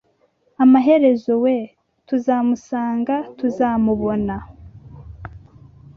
amaherezo we tuzamusanga.tuzamubona